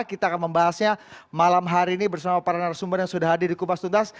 kita akan membahasnya malam hari ini bersama para narasumber yang sudah hadir di kupas tuntas